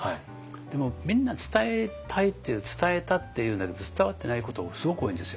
でもみんな伝えたいって言う伝えたって言うんだけど伝わってないことがすごく多いんですよ。